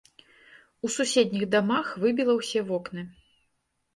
У суседніх дамах выбіла ўсе вокны.